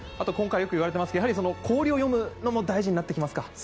今回よく言われていますが氷を読むのも大事になってきますか？